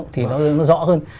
thì nó rõ hơn